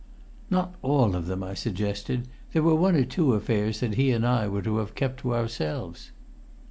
"Not all of them?" I suggested. There were one or two affairs that he and I were to have kept to ourselves.